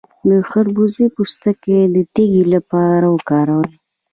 د خربوزې پوستکی د تیږې لپاره وکاروئ